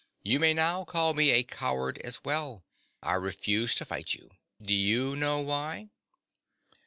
You may now call me a coward as well. I refuse to fight you. Do you know why?